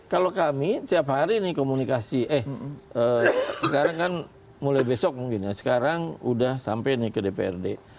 kalau kami setiap hari ini komunikasi sekarang kan mulai besok mungkin ya sekarang sudah sampai nih ke dprd